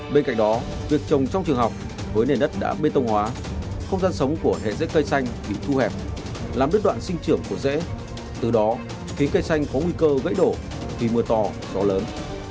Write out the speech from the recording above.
bên cạnh đó việc trồng trong trường học với nền đất đã bê tông hóa không gian sống của hệ rễ cây xanh bị thu hẹp làm đứt đoạn sinh trưởng của dễ từ đó khiến cây xanh có nguy cơ gãy đổ khi mưa to gió lớn